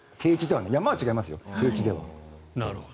山は違いますよ、低地では。